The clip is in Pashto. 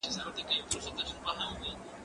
زه به سبا شګه پاک کړم!؟